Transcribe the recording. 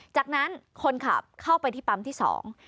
จากนั้นคนขับเข้าไปที่ปั๊มที่สอง